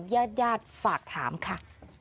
ญาติญาติฝากถามค่ะ